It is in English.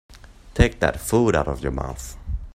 Take that food out of your mouth.